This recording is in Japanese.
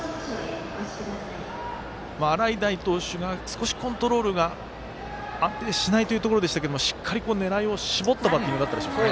洗平投手が少しコントロールが安定しないというところでしたが狙いを絞ったバッティングだったでしょうかね。